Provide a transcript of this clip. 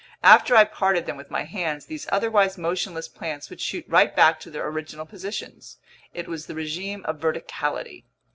After I parted them with my hands, these otherwise motionless plants would shoot right back to their original positions. It was the regime of verticality.